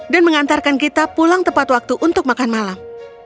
dan mengantarkan kita pulang tepat waktu untuk makan malam